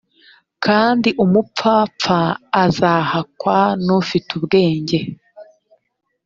kandi umupfapfa azahakwa n’ufite ubwenge